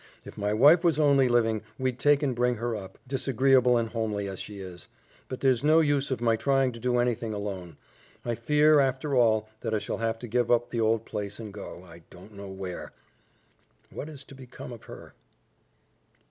If my wife was only living, we'd take and bring her up, disagreeable and homely as she is; but there's no use of my trying to do anything alone. I fear, after all, that I shall have to give up the old place and go I don't know where. What is to become of her?"